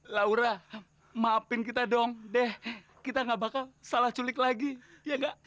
laura maafin kita dong deh kita gak bakal salah culik lagi ya enggak